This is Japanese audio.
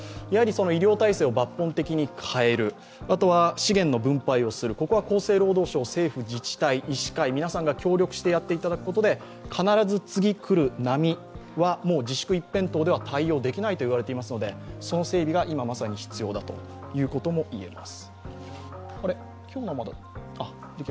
医療体制を抜本的に変える、あとは資源の分配をする、ここは厚生労働省、政府・自治体、医師会、皆さんが協力してやっていくことで必ず次来る波は自粛一辺倒では対応できないと言われていますのでその整備が今まさに必要だということも言えます。